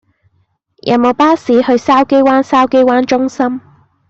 有無巴士去筲箕灣筲箕灣中心